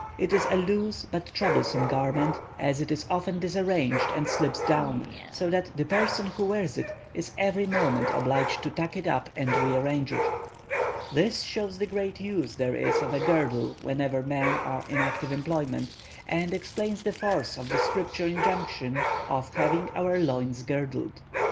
It is a loose but troublesome garment, as it is often disarranged and slips down, so that the person who wears it is every moment obliged to tuck it up and rearrange it. This shows the great use there is of a girdle whenever men are in active employment, and explains the force of the Scripture injunction of having our loins girded.